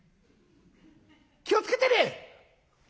「気を付けてね！